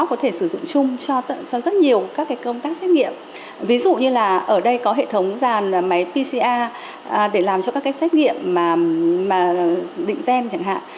có thể sử dụng chung cho rất nhiều các công tác xét nghiệm ví dụ như là ở đây có hệ thống dàn máy pcr để làm cho các cái xét nghiệm mà định gen chẳng hạn